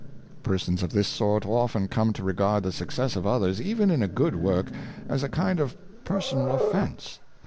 '' Persons of this sort often come to regard the success of others, even in a good work, as a kind of personal of fense.